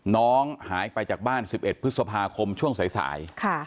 น้องหายไปจากบ้าน๑๑พฤษภาคมช่วงสาย